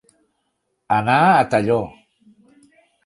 Anar a Talló.